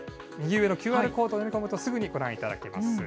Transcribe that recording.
右上のＱＲコードを読み込むと、すぐにご覧いただけます。